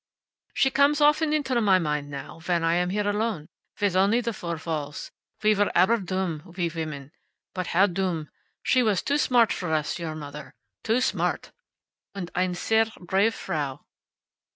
"She comes often into my mind now, when I am here alone, with only the four walls. We were aber dumm, we women but how dumm! She was too smart for us, your mother. Too smart. Und eine sehr brave frau."